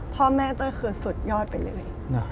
พ่อแม่เต้ยคือสุดยอดไปเลย